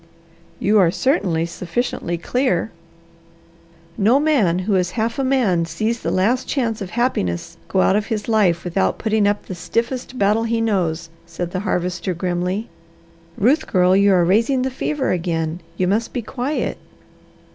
"You are certainly sufficiently clear." "No man who is half a man sees the last chance of happiness go out of his life without putting up the stiffest battle he knows," said the Harvester grimly. "Ruth girl, you are raising the fever again. You must be quiet."